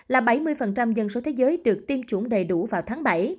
là bảy mươi dân số thế giới được tiêm chủng đầy đủ vào tháng bảy